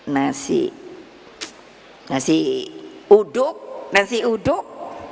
nasi ngasih uduk nasi uduk